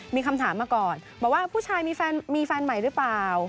มีคำถามมาก่อนบอกว่าผู้ชายมีแฟนมีแฟนใหม่หรือเปล่า